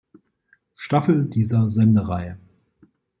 Staffel dieser Sendereihe.